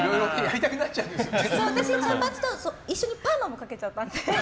私、茶髪と一緒にパーマもかけちゃったんで。